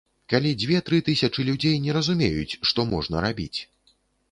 Калі дзве-тры тысячы людзей не разумеюць, што можна рабіць.